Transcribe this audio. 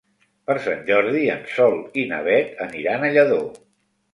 Per Sant Jordi en Sol i na Beth aniran a Lladó.